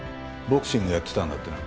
ボクシングやってたんだってな。